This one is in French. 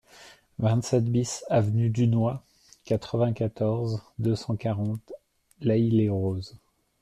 vingt-sept BIS avenue Dunois, quatre-vingt-quatorze, deux cent quarante, L'Haÿ-les-Roses